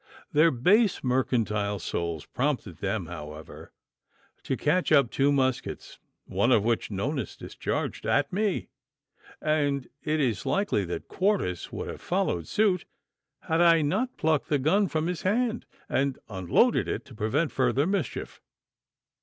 Their base mercantile souls prompted them, however, to catch up two muskets, one of which Nonus discharged at me, and it is likely that Quartus would have followed suit had I not plucked the gun from his hand and unloaded it to prevent further mischief.